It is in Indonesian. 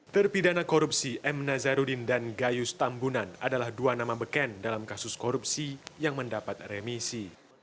terpidana korupsi m nazarudin dan gayus tambunan adalah dua nama beken dalam kasus korupsi yang mendapat remisi